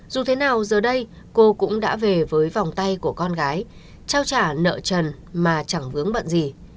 dù thế nào giờ đây cô cũng đã về với vòng tay của con gái trao trả nợ trần mà chẳng vướng bận gì